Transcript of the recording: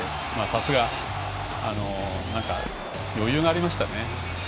さすが、余裕がありましたね。